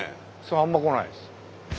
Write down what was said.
あんま来ないです。